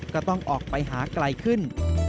ก็ต้องออกไปหาไกลขึ้น